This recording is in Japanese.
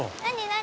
何？